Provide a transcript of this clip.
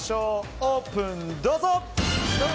オープン、どうぞ！